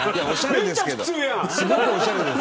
めっちゃ普通やん！